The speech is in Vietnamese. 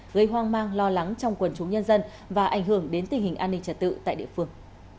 gây hoang mang lo lắng trong quần chúng nhân dân và ảnh hưởng đến tình hình an ninh trật tự tại địa phương